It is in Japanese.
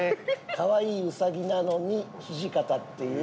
かわいいウサギなのに土方っていう堅い方。